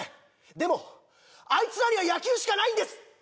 でもあいつらには野球しかないんです！